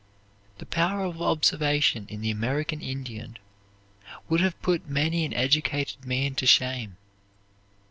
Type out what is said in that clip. The power of observation in the American Indian would put many an educated man to shame.